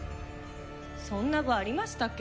そんな部ありましたっけ？